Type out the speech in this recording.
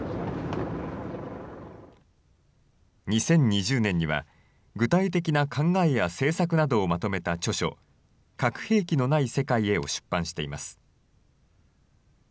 ２０２０年には具体的な考えや政策などをまとめた著書、核兵器のない世界へを出版しています。